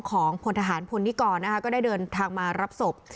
ของพลทหารพลนิกรนะคะก็ได้เดินทางมารับศพ